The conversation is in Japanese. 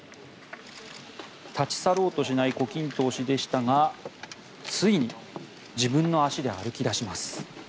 立ち去ろうとしない胡錦涛氏でしたがついに自分の足で歩き出します。